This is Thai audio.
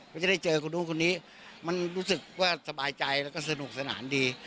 ก็จะได้เจอคนนู้นคนนี้มันรู้สึกว่าสบายใจแล้วก็สนุกสนานดี